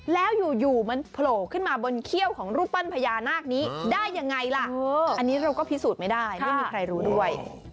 แล้วอยู่มันโผล่ขึ้นมาบนเขี้ยวของรูปปั้นพญานาคนี้ได้ยังไงล่ะอันนี้เราก็พิสูจน์ไม่ได้ไม่มีใครรู้ด้วย